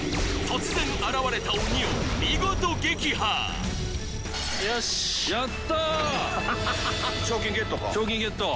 突然現れた鬼を見事撃破・よしやった賞金ゲットか？